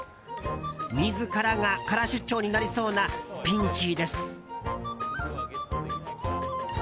自らが空出張になりそうなピンチです。